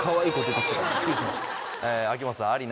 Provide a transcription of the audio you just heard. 秋元さんあり？